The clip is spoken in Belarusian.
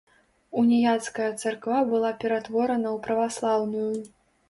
Уніяцкая царква была ператворана ў праваслаўную.